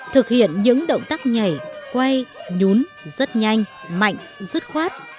thực hiện những động tác nhảy quay nhún rất nhanh mạnh dứt khoát